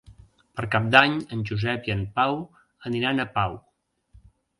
Per Cap d'Any en Josep i en Pau aniran a Pau.